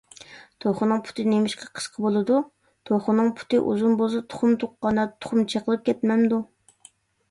_ توخۇنىڭ پۇتى نېمىشقا قىسقا بولىدۇ؟ _ توخۇنىڭ پۇتى ئۇزۇن بولسا، تۇخۇم تۇغقاندا تۇخۇم چېقىلىپ كەتمەمدۇ؟